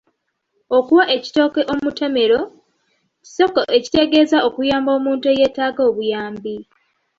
Okuwa ekitooke omutemero, kisoko ekitegeeza okuyamba omuntu eyeetaaga obuyambi.